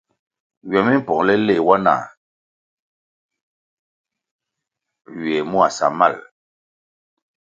Ywe mi pongʼle nle wa na ywè mua samal ?